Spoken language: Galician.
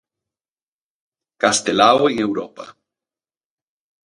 Castelao en Europa.